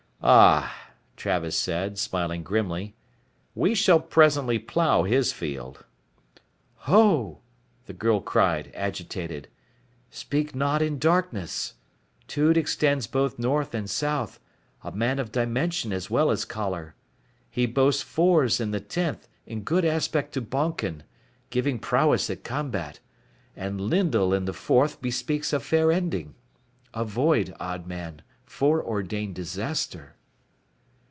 "Ah," Travis said, smiling grimly. "We shall presently plow his field " "Ho!" the girl cried, agitated. "Speak not in darkness. Tude extends both north and south, a man of dimension as well as choler. He boasts Fors in the tenth in good aspect to Bonken, giving prowess at combat, and Lyndal in the fourth bespeaks a fair ending. Avoid, odd man, foreordained disaster."